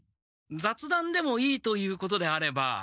ざつだんでもいいということであれば。